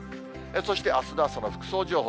そしてあすの朝の服装情報。